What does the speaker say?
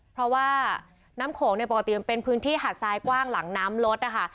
เพราะว่าน้ำโขงเนี่ยปกติมันเป็นพื้นที่หาดทรายกว้างหลังน้ำลดนะคะ